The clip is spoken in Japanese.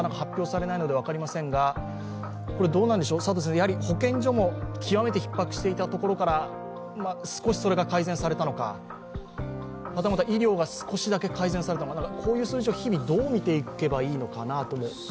やはり保健所も極めてひっ迫していたところから少しそれが改善されたのか、はたまた医療が少しだけ改善されたのか、こういう数字を日々どう見ていけばいいのか。